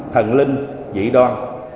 thần linh dị đoan